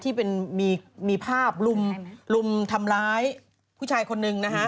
ที่มีภาพรุมทำร้ายผู้ชายคนหนึ่ง